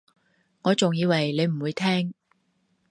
我仲以為你唔會聽